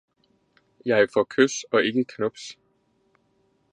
Jeg får kys og ikke knubs!